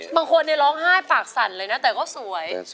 บางคนร้องไห้ปากสั่นเลยนะแต่ก็สวย